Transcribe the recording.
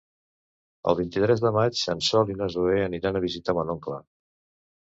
El vint-i-tres de maig en Sol i na Zoè aniran a visitar mon oncle.